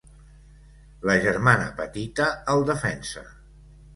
La germana petita el defensa.